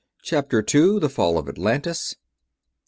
_ CHAPTER 2 THE FALL OF ATLANTIS 1.